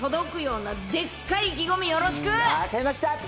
分かりました。